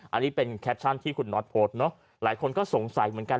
อันนี้เป็นแคปชั่นที่คุณน็อตโพสต์เนอะหลายคนก็สงสัยเหมือนกัน